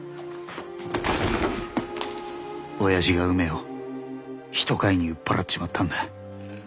おやじが梅を人買いに売っ払っちまったんだ。